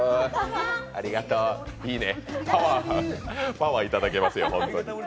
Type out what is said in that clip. パワーいただけますよ、ホントに。